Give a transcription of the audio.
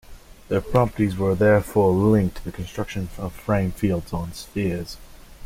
Their properties were therefore linked to the construction of frame fields on spheres.